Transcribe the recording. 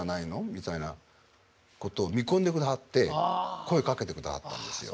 みたいなことを見込んでくださって声かけてくださったんですよ。